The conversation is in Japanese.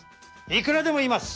いくらでもいます。